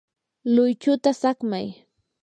luychuta saqmay.